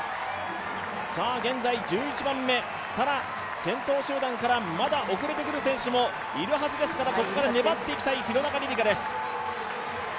現在１１番目、ただ先頭集団から遅れてくる選手もいるはずですからここから粘っていきたい廣中璃梨佳です。